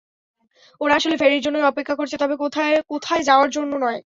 ওরা আসলে ফেরির জন্যই অপেক্ষা করছে, তবে কোথাও যাওয়ার জন্য নয়।